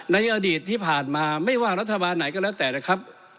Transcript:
ในอดีตที่ผ่านมาไม่ว่ารัฐบาลไหนก็แล้วแต่นะครับ